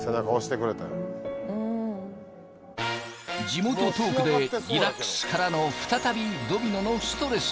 地元トークでリラックスからの再びドミノのストレス